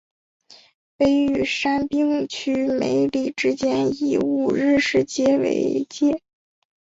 北与杉并区梅里之间以五日市街道为界。